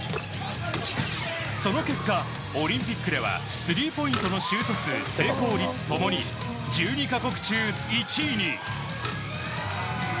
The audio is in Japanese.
その結果、オリンピックではスリーポイントのシュート数成功率共に１２か国中１位に。